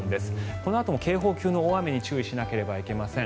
このあとも警報級の大雨に注意しなければいけません。